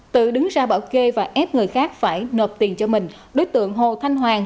tự đứng ra bỏ ghê và ép người khác phải nộp tiền cho mình đối tượng hồ thanh hoàng